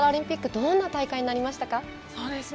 どんな大会になりましたか？